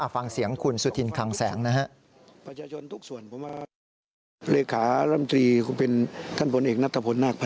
ฟังเสียงคุณสุธินคังแสงนะฮะ